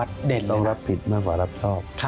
ต้องรับผิดมากกว่ารับชอบ